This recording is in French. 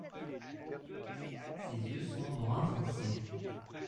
Ses yeux sont brun foncé.